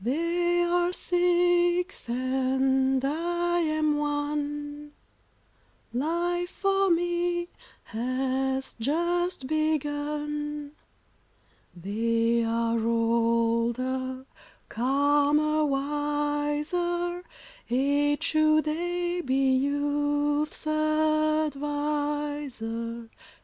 They are six, and I am one, Life for me has just begun. They are older, calmer, wiser: Age should aye be youth's adviser.